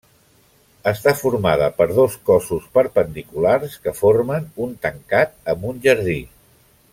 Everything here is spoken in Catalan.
Està formada per dos cossos perpendiculars que formen un tancat amb un jardí.